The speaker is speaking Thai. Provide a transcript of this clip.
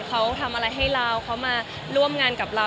เขาทำอะไรให้เราเขามาร่วมงานกับเรา